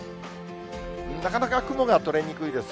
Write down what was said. なかなか雲が取れにくいです。